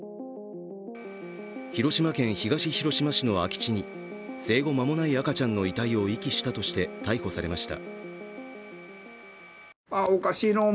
広島県東広島市の空き地に生後間もない赤ちゃんの遺体を遺棄したとして逮捕されました。